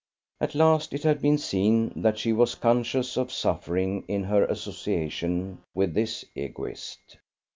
At last it had been seen that she was conscious of suffering in her association with this Egoist!